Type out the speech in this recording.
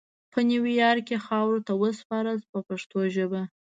په نیویارک کې خاورو ته وسپارل شو په پښتو ژبه.